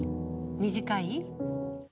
短い？